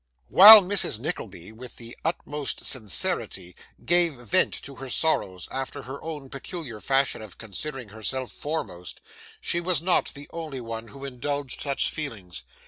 While Mrs. Nickleby, with the utmost sincerity, gave vent to her sorrows after her own peculiar fashion of considering herself foremost, she was not the only one who indulged such feelings.